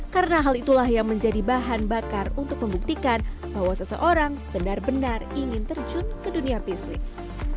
karena hal itulah yang menjadi bahan bakar untuk membuktikan bahwa seseorang benar benar ingin terjun ke dunia bisnis